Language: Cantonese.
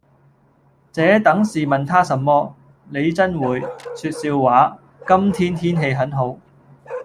「這等事問他甚麼。你眞會……説笑話。……今天天氣很好。」